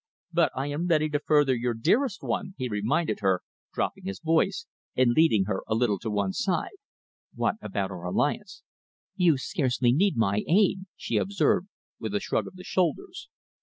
"But I am ready to further your dearest one," he reminded her, dropping his voice, and leading her a little on one side. "What about our alliance?" "You scarcely need my aid," she observed, with a shrug of the shoulders.